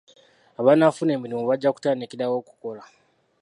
Abanaafuna emirimu bajja kutandikirawo okukola.